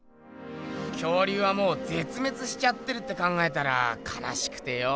恐竜はもうぜつめつしちゃってるって考えたらかなしくてよ。